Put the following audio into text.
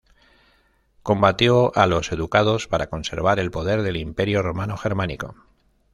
Combatió a los ducados para conservar el poder del Imperio Romano Germánico.